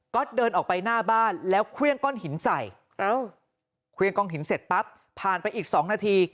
ก็เดินออกไปหน้าบ้านแล้วเครื่องก้อนหินใส่เครื่องกองหินเสร็จปั๊บผ่านไปอีก๒นาที